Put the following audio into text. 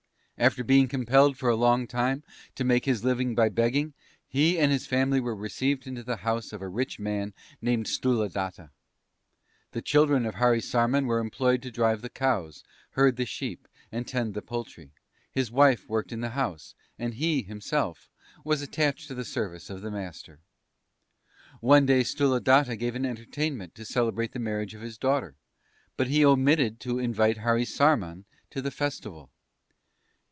After being compelled for a long time to make his living by begging, he and his family were received into the household of a rich man named Sthuladatta. The children of Harisarman were employed to drive the cows, herd the sheep, and tend the poultry; his wife worked in the house, and he, himself, was attached to the service of the Master. "One day Sthuladatta gave an entertainment to celebrate the marriage of his daughter, but he omitted to invite Harisarman to the festival.